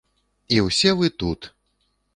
І ўсе вы тут!